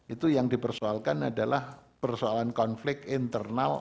itu yang dipersoalkan adalah persoalan konflik internal